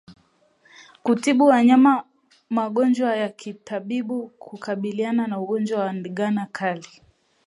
Kutibu wanyama magonjwa ya kitabibu hukabiliana na ugonjwa wa ndigana kali